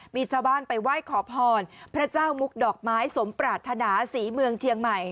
มีชาวบ้านไปไหว้ขอพรพระเจ้ามุกดอกไม้สมปรารถนาศรีเมืองเชียงใหม่